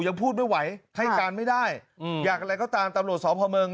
ยังพูดไม่ไหวท่ายการไม่ได้อยากอะไรก็ตามตำลวดสองพระเมิง